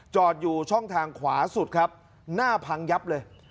จอดอยู่ช่องทางขวาสุดครับหน้าพังยับเลย